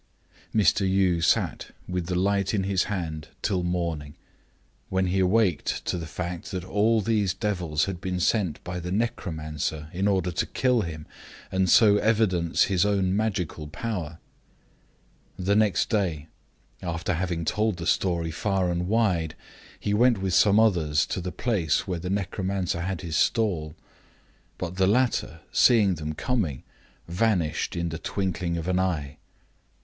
Mr. Yii sat with the light in his hand till morning, when he awaked to the fact that all these devils had been sent by the necromancer in order to kill him, and so evidence his own magical power. The next day, after having told the story far and wide, he went with some others to the place where the necromancer had his stall; but the latter, seeing them coming, vanished in the twinkling of an eye.